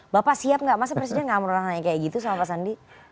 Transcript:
bapak siap gak masa presiden nggak pernah nanya kayak gitu sama pak sandi